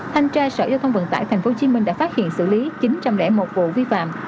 thanh tra sở giao thông vận tải tp hcm đã phát hiện xử lý chín trăm linh một vụ vi phạm